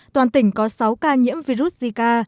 toàn tỉnh có sáu ca nhiễm virus zika